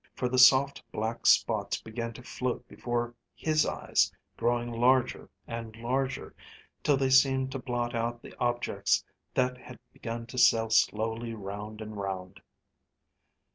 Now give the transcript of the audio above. For the soft black spots began to float before his eyes, growing larger and larger, till they seemed to blot out the objects that had begun to sail slowly round and round.